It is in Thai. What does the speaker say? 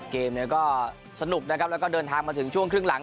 เกมเนี่ยก็สนุกนะครับแล้วก็เดินทางมาถึงช่วงครึ่งหลัง